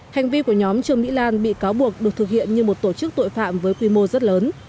hành vi của nhóm trương mỹ lan bị cáo buộc được thực hiện như một tổ chức tội phạm với quy mô rất lớn